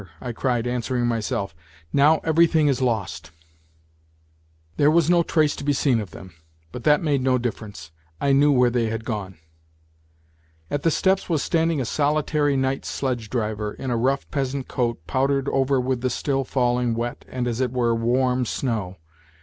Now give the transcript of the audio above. " I cried, answering mj^self. " Now everything is lost !" There was no trace to be seen of them, but that made no difference I knew where they had gone. At the steps was standing a solitary night sledge driver in a rough peasant coat, powdered over with the still falling, wet, and as it were warm, snow.